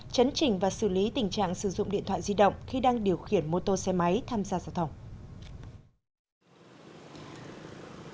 chấn trình và xử lý tình trạng sử dụng điện thoại di động khi đang điều khiển mô tô xe máy tham gia giao thông